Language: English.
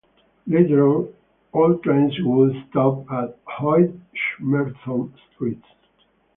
Later on, all trains would stop at Hoyt-Schermerhorn Streets.